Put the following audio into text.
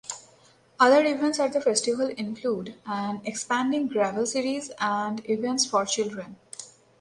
Other events at the festival include an expanding gravel series and events for children.